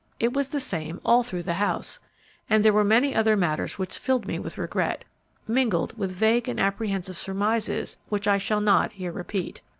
It was the same all through the house; and there were many other matters which filled me with regret, mingled with vague and apprehensive surmises which I shall not here repeat.